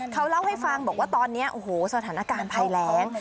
เขาเล่าให้ฟังบอกว่าตอนนี้โอ้โหสถานการณ์ภัยแรง